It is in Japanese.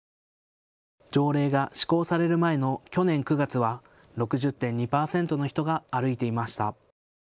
条例が施行される前の去年９月は６０．２％の人が歩いていました。